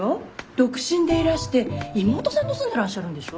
独身でいらして妹さんと住んでらっしゃるんでしょ。